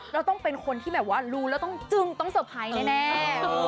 เราต้องเป็นคนที่แบบว่ารู้แล้วต้องจึ้งต้องเซอร์ไพรส์แน่